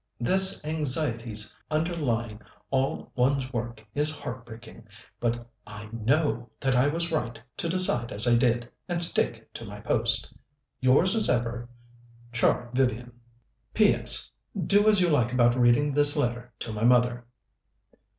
This anxiety underlying all one's work is heart breaking, but I know that I was right to decide as I did, and stick to my post. "Yours as ever, "CH. VIVIAN. "P.S. Do as you like about reading this letter to my mother."